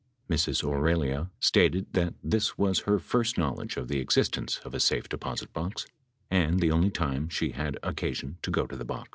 Ms. Aurelia stated that this was her first knowledge of the existence of a safe deposit box, and the only time she had occasion to go to the box.